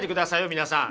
皆さん。